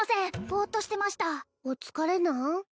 ボーッとしてましたお疲れなん？